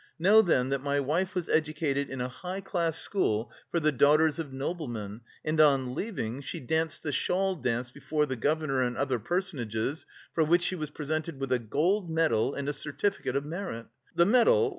Know then that my wife was educated in a high class school for the daughters of noblemen, and on leaving she danced the shawl dance before the governor and other personages for which she was presented with a gold medal and a certificate of merit. The medal...